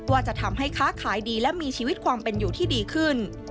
ว่าจะทำให้ค้าขายดีและมีชีวิตความเป็นอยู่ที่ดีขึ้น